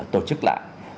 tổ chức lại